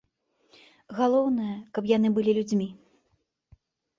Галоўнае, каб яны былі людзьмі.